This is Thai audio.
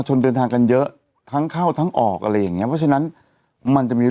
เดินทางกันเยอะทั้งเข้าทั้งออกอะไรอย่างเงี้เพราะฉะนั้นมันจะมี